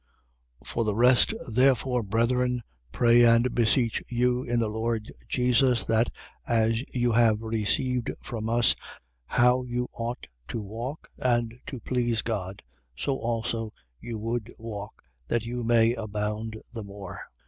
4:1. For the rest therefore, brethren, pray and beseech you in the Lord Jesus that, as you have received from us, how you ought to walk and to please God, so also you would walk, that you may abound the more.